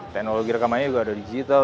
teknologi rekamannya juga ada digital